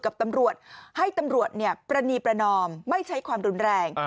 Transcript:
กับตำรวจให้ตำรวจปรณีประนอมไม่ใช้ความรุนแรง